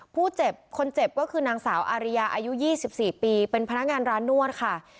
ผู้เจ็บคนเจ็บก็คือนางสาวอาริยาอายุ๒๔ปีเป็นพนักงานร้านนวดค่ะ